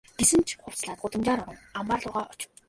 Гэсэн ч хувцаслаад гудамжаар орон амбаар луугаа очив.